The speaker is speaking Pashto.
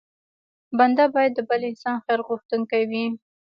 بنده بايد د بل انسان خیر غوښتونکی وي.